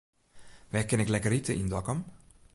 Wêr kin ik lekker ite yn Dokkum?